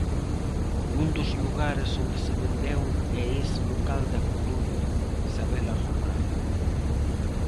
Un dos lugares onde se vendeu é ese local da Coruña, Sabela Romar.